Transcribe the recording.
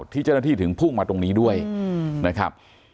ที่เจ้าหน้าที่ถึงพุ่งมาตรงนี้ด้วยนะครับ